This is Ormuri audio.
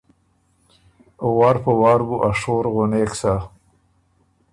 او وار په وار بُو ا شور غونېک سۀ۔